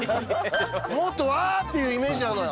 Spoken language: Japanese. もっとわーっていうイメージなのよ。